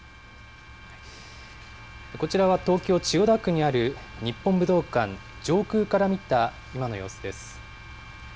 こちらは東京・千代田区にある日本武道館、上空から見た今の様子です。